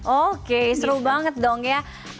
oke seru banget dong ya